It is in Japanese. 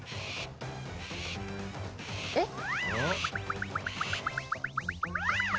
えっ？